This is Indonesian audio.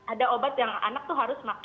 ada obat yang anak itu harus